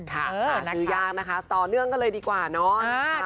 หาซื้อยากนะคะต่อเนื่องก็เลยดีกว่านับ